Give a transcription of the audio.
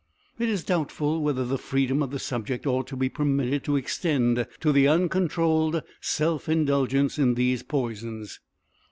It is doubtful whether the freedom of the subject ought to be permitted to extend to the uncontrolled self indulgence in these poisons.